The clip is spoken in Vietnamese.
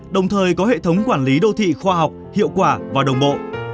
đồng thời có hệ thống quản lý đô thị khoa học hiệu quả và đồng bộ